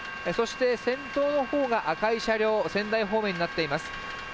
そして先頭のほうが赤い車両、仙台方面になっています。